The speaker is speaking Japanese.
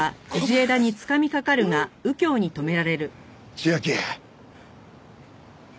千明。